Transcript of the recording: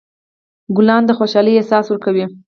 ګلان د خوشحالۍ احساس ورکوي.